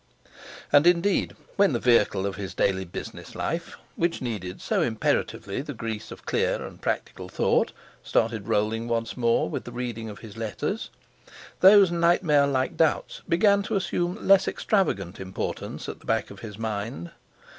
And, indeed, when the vehicle of his daily business life, which needed so imperatively the grease of clear and practical thought, started rolling once more with the reading of his letters, those nightmare like doubts began to assume less extravagant importance at the back of his mind.